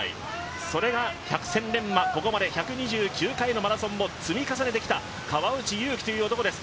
それが百戦錬磨、ここまで１２９回のマラソンを積み重ねてきた川内優輝という男です。